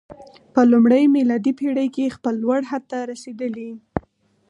په لومړۍ میلادي پېړۍ کې خپل لوړ حد ته رسېدلی.